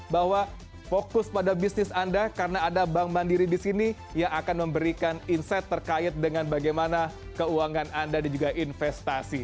bahwa fokus pada bisnis anda karena ada bank mandiri di sini yang akan memberikan insight terkait dengan bagaimana keuangan anda dan juga investasi